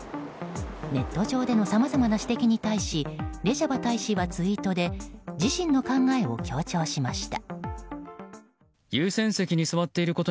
ネット上でのさまざまな指摘に対しレジャバ大使はツイートで自身の考えを強調しました。